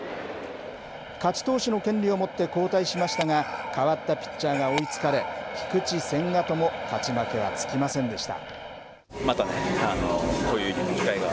勝ち投手の権利を持って交代しましたが、代わったピッチャーが追いつかれ、菊池、千賀とも勝ち負けはつきませんでした。